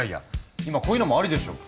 今こういうのもありでしょ。